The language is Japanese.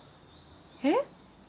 えっ？